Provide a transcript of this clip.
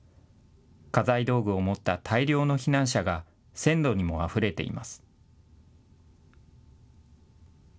家財道具を持った大量の避難者が線路にもあふれています。